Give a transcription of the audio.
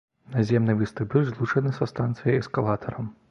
Наземны вестыбюль злучаны са станцыяй эскалатарам.